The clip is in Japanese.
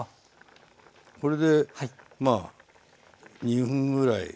これでまあ２分ぐらい。